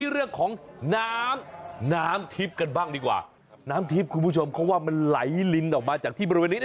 เรื่องของน้ำน้ำทิพย์กันบ้างดีกว่าน้ำทิพย์คุณผู้ชมเขาว่ามันไหลลินออกมาจากที่บริเวณนี้